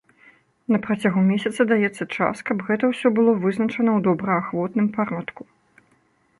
На працягу месяца даецца час, каб гэта ўсё было вызначана ў добраахвотным парадку.